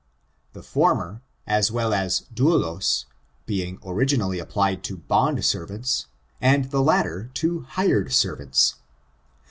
The former, as ^ well as dauloe, being originally applied to bondservants, and the latter to hired servants.